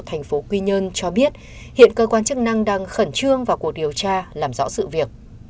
thành phố quy nhơn cho biết hiện cơ quan chức năng đang khẩn trương vào cuộc điều tra làm rõ sự việc